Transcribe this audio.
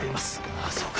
あぁそうか。